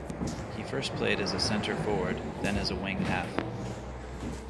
He first played as centre-forward then as wing-half.